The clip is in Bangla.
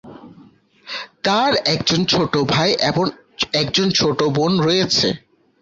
তার একজন ছোট ভাই এবং একজন ছোট বোন রয়েছে।